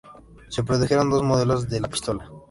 Se produjeron dos modelos de la pistola.